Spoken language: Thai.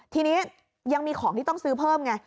ทีนี้ยังมีของที่ต้องซื้อเพิ่มไง